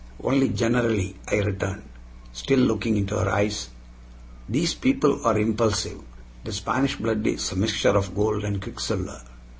"Only generally," I returned, still looking into her eyes. "These people are impulsive. The Spanish blood is a mixture of gold and quicksilver."